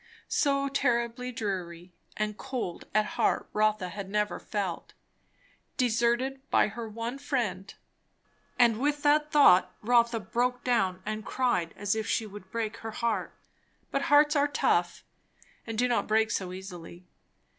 So terribly dreary and cold at heart Rotha had never felt. Deserted by her one friend and with that thought Rotha broke down and cried as if she would break her heart. But hearts are tough, and do not break so easily.